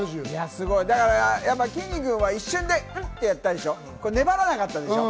すごい、きんに君は一瞬でグッってやったでしょ？